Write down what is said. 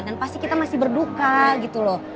dan pasti kita masih berduka gitu loh